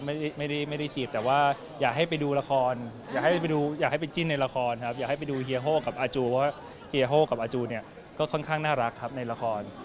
ไม่ได้ไม่ได้จีบแต่ว่าอยากให้ไปดูละครอยากให้ไปดูอยากให้ไปจิ้นในละครครับอยากให้ไปดูเฮียโฮกับอาจูว่าเฮียโฮกับอาจูเนี่ยก็ค่อนข้างน่ารักครับในละคร